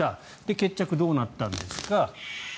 決着、どうなったんですか。